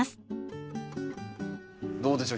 どうでしょう？